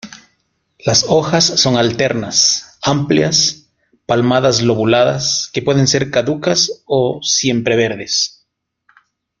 Las hojas son alternas, amplias, palmadas lobuladas, que puede ser caducas o siempreverdes.